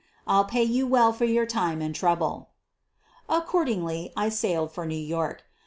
I'll pay you well for your time and trouble." Accordingly I sailed for New York.